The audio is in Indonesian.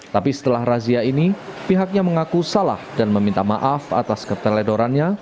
tapi setelah razia ini pihaknya mengaku salah dan meminta maaf atas keteledorannya